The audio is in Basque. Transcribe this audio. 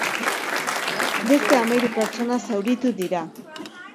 Beste hamahiru pertsona zauritu dira.